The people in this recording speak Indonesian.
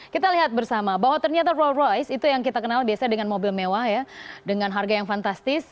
kita lihat bersama bahwa ternyata roll royce itu yang kita kenal biasanya dengan mobil mewah ya dengan harga yang fantastis